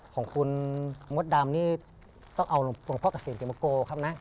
ของคุณมดดำนี่ต้องเอาหลวงพ่อเกษตรมาโกครับนะ